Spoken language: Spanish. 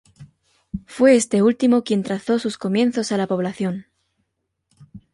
Fue este último quien trazó en sus comienzos a la población.